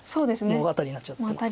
アタリになっちゃってますので。